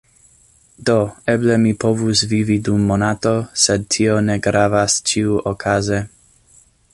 Do, eble mi povus vivi dum monato sed tio ne gravas ĉiuokaze